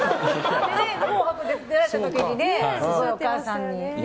「紅白」出られた時にお母さんにね。